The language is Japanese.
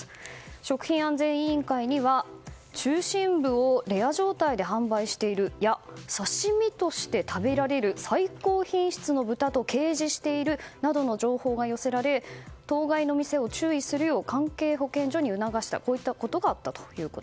食品安全委員会には中心部をレア状態で販売しているや刺し身として食べられる最高品質の豚と掲示しているなどの情報が寄せられ当該の店を注意するよう関係保健所に促したといったことがあったと。